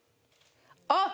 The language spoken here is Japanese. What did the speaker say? あっ！